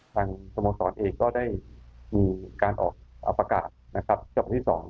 ทางโทโมศรเองก็ได้ออกประกาศจบที่สอง